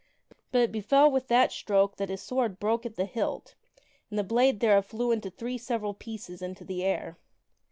But it befell with that stroke that his sword broke at the hilt and the blade thereof flew into three several pieces into the air.